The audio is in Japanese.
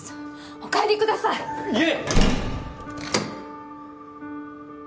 お帰りください悠依！